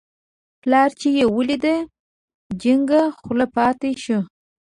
پلار چې یې ولید، جینګه خوله پاتې شو.